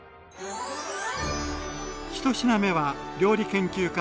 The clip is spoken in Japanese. １品目は料理研究家